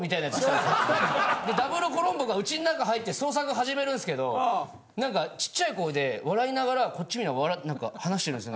ダブルコロンボがうちの中入って捜索始めるんすけどなんかちっちゃい声で笑いながらなんか話してるんですよ。